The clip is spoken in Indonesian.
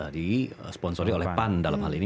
di sponsori oleh pan dalam hal ini